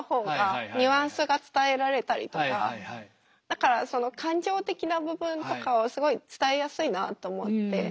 だからその感情的な部分とかはすごい伝えやすいなと思って。